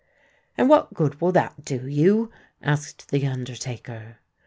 "And what good will that do you?" asked the undertaker.